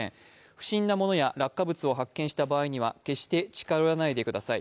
不審なものや落下物を発見した場合には決して近寄らないでください。